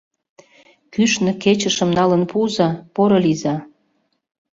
— Кӱшнӧ кечышым налын пуыза, порылийза.